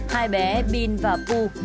hai bé bin và pu